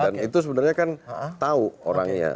dan itu sebenarnya kan tahu orangnya